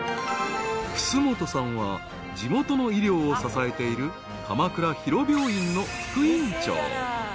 ［楠本さんは地元の医療を支えている鎌倉ヒロ病院の副院長］